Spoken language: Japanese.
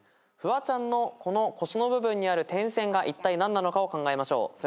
フワちゃんのこの腰の部分にある点線がいったい何なのかを考えましょう。